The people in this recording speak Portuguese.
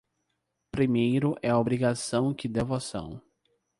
Primeiro é a obrigação que devoção.